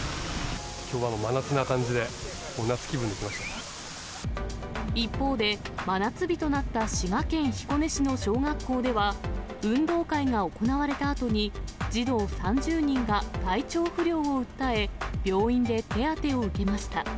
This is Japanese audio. きょうはまだ真夏な感じで、一方で、真夏日となった滋賀県彦根市の小学校では、運動会が行われたあとに、児童３０人が体調不良を訴え、病院で手当てを受けました。